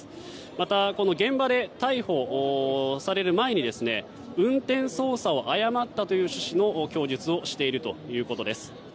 また、現場で逮捕される前に運転操作を誤ったという趣旨の供述をしているということです。